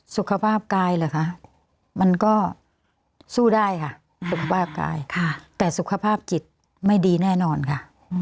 สุขภาพกายเหรอคะมันก็สู้ได้ค่ะสุขภาพกายแต่สุขภาพจิตไม่ดีแน่นอนค่ะ